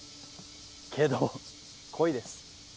けど恋です。